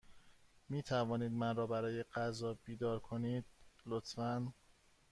می توانید مرا برای غذا بیدار کنید، لطفا؟